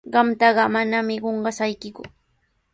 Qamtaqa manami qunqashaykiku.